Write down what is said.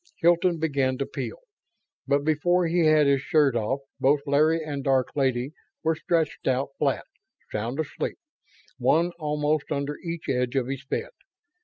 Hilton began to peel, but before he had his shirt off both Larry and Dark Lady were stretched out flat, sound asleep, one almost under each edge of his bed.